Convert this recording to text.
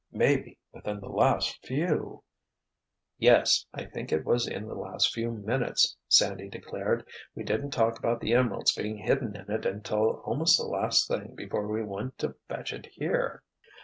Maybe within the last few——" "Yes—I think it was in the last few minutes!" Sandy declared. "We didn't talk about the emeralds being hidden in it until almost the last thing before we went to fetch it here."